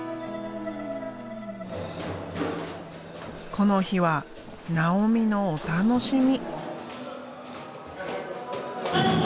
この日は尚美のお楽しみ。